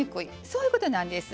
そういうことなんです。